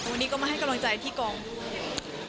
วันนี้ก็มาให้กำลังใจที่กองด้วย